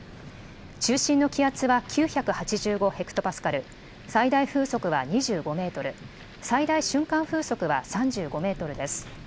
中心の気圧は９８５ヘクトパスカル、最大風速は２５メートル、最大瞬間風速は３５メートルです。